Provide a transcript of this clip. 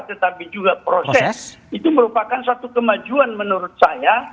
tetapi juga proses itu merupakan satu kemajuan menurut saya